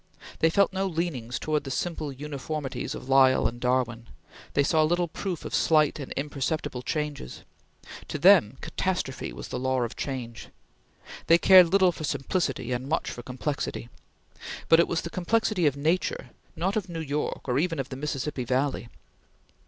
They felt no leanings towards the simple uniformities of Lyell and Darwin; they saw little proof of slight and imperceptible changes; to them, catastrophe was the law of change; they cared little for simplicity and much for complexity; but it was the complexity of Nature, not of New York or even of the Mississippi Valley.